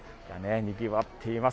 にぎわっています。